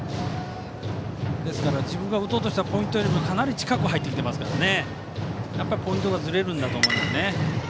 自分が打とうとしたポイントよりもかなり近く入ってきていますからポイントがずれるんだと思います。